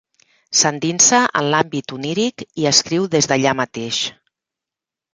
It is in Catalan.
S'endinsa en l'àmbit oníric i escriu des d'allà mateix.